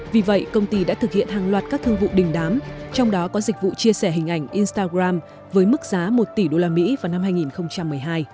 vì vậy công ty đã thực hiện hàng loạt các thương vụ đình đám trong đó có dịch vụ chia sẻ hình ảnh instagram với mức giá một tỷ usd vào năm hai nghìn một mươi hai